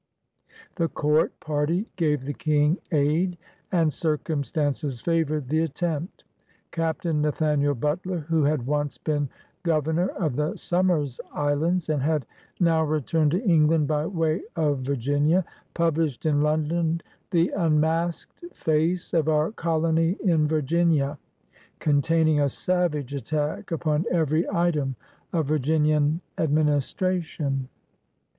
The court party gave the King aid, and circumstances favored the at tempt. Captain Nathaniel Butler, who had once been Governor of the Somers Islands and had now returned to England by way of Virginia, published in London The Unmasked Face of Our Colony in Virginia^ containing a savage attack upon every item of Virginian administration.